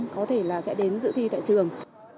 có thể là sẽ đến giữ thi tại trường